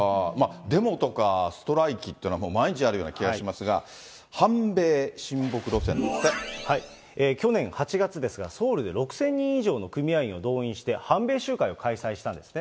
デモとか、ストライキというのは毎日あるような気がしますが、去年８月ですが、ソウルで６０００人以上の組合員を動員して反米集会を開催したんですね。